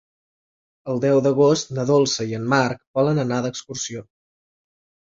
El deu d'agost na Dolça i en Marc volen anar d'excursió.